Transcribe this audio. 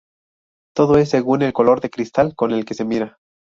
Todo es según el color del cristal con que se mira